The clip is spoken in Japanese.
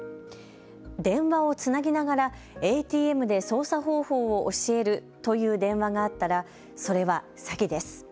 電話をつなぎながらＡＴＭで操作方法を教えるという電話があったらそれは詐欺です。